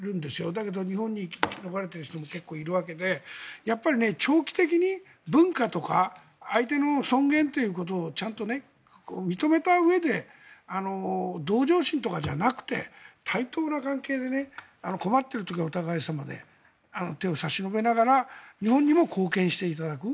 だけど、日本に逃れている人も結構いるわけでやはり長期的に文化とか相手の尊厳ということをちゃんと認めたうえで同情心とかじゃなくて対等な関係で困っている時はお互い様で手を差し伸べながら日本にも貢献していただく。